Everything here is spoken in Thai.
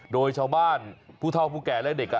โดยชาวบ้านผู้เท่าผู้แก่และเด็ก